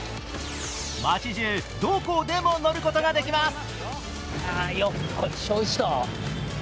街中どこでも乗ることができます。